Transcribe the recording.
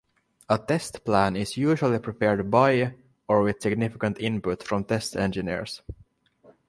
A test plan is usually prepared by or with significant input from test engineers.